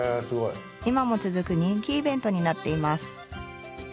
今も続く人気イベントになっています。